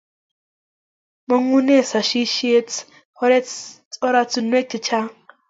Mangune sasishet oratinwek chechang